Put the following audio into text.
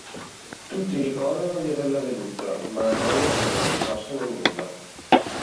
Tutti ricordano di averla veduta ma la donna sembra scomparsa nel nulla.